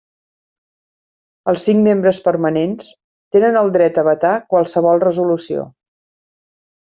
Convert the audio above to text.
Els cinc membres permanents tenen el dret a vetar qualsevol resolució.